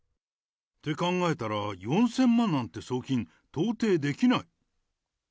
って、考えたら、４０００万なんて送金、到底できない。